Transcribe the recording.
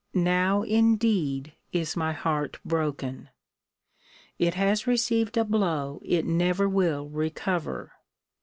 Now indeed is my heart broken! It has received a blow it never will recover.